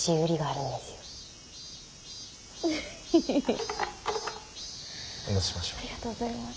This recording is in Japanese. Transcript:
ありがとうございます。